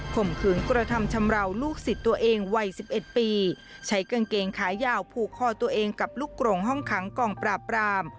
ข่มขืนกระทำชำราวลูกศิษย์ตัวเองวัย๑๑ปีใช้กางเกงขายาวผูกคอตัวเองกับลูกกรงห้องขังกองปราบราม